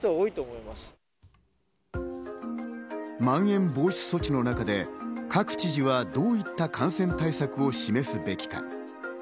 まん延防止措置の中で、各知事はどういった感染対策を示すべきか。